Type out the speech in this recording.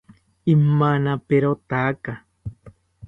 Imanaperotaka